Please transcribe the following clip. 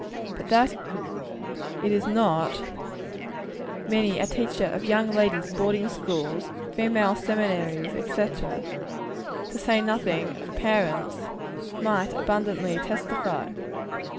But that it is not, many a teacher of young ladies' boarding schools, female seminaries, &c. to say nothing of parents might abundantly testify.